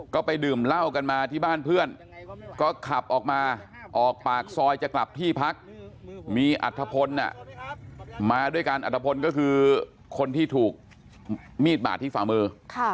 ก็ไปดื่มเหล้ากันมาที่บ้านเพื่อนก็ขับออกมาออกปากซอยจะกลับที่พักมีอัฐพลมาด้วยกันอัตภพลก็คือคนที่ถูกมีดบาดที่ฝ่ามือ